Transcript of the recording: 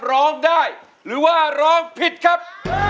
ร้องได้หรือว่าร้องผิดครับ